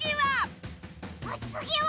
おつぎは。